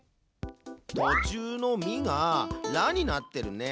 とちゅうの「ミ」が「ラ」になってるね。